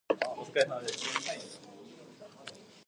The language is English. It is not associated with Princeton University.